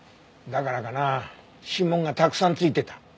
だからかな指紋がたくさんついてた。